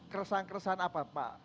keresahan keresahan apa pak